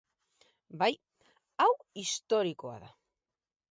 Bai, hau historikoa da.